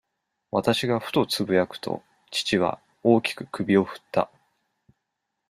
私がふとつぶやくと、父は、大きく首をふった。